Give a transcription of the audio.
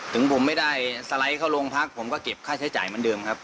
ถึงผมไม่ได้สไลด์เข้าโรงพักผมก็เก็บค่าใช้จ่ายเหมือนเดิมครับ